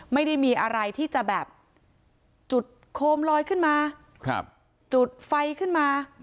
ไม่ได้มีอะไรที่จะแบบจุดโคมลอยขึ้นมาจุดไฟขึ้นมา